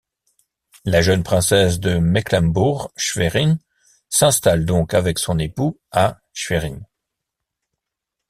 La jeune princesse de Mecklembourg-Schwerin s'installe donc avec son époux à Schwerin.